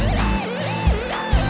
ya deh bang